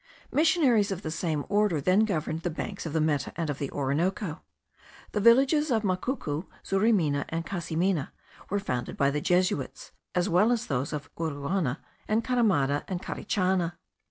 Missionaries of the same order then governed the banks of the Meta and of the Orinoco. The villages of Macuco, Zurimena, and Casimena, were founded by the Jesuits, as well as those of Uruana, Encaramada, and Carichana.